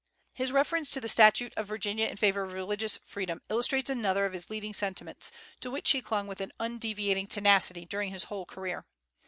His reference to the statute of Virginia in favor of religious freedom illustrates another of his leading sentiments, to which he clung with undeviating tenacity during his whole career.